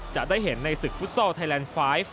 จะได้เห็นในศึกฟุตซอลไทยแลนด์ไฟล์